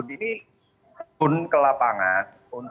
ini pun ke lapangan